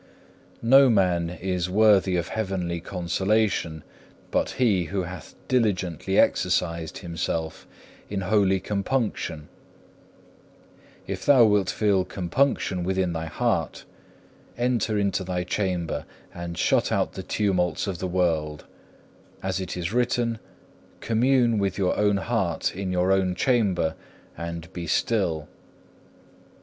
5. No man is worthy of heavenly consolation but he who hath diligently exercised himself in holy compunction. If thou wilt feel compunction within thy heart, enter into thy chamber and shut out the tumults of the world, as it is written, Commune with your own heart in your own chamber and be still.